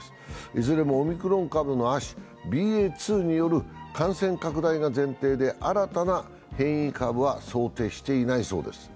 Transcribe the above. いずれもオミクロン株の亜種ＢＡ．２による感染拡大が前提で、新たな変異株は想定していないそうです。